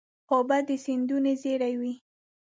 اوبه د سیندونو زېری وي.